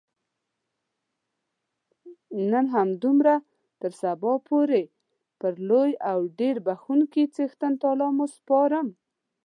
نن همدومره تر سبا پورې پر لوی او ډېر بخښونکي څښتن تعالا مو سپارم.